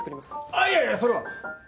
あっいやいやそれは！